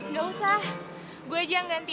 gausah gue aja yang ganti